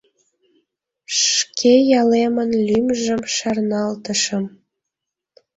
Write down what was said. Шке ялемын лӱмжым шарналтышым.